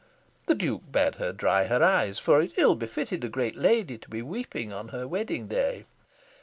The Duke bade her dry her eyes, for that it ill befitted a great lady to be weeping on her wedding day.